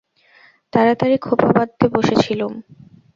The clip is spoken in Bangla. তাড়াতাড়ি খোঁপা বাঁধতে বসেছিলুম!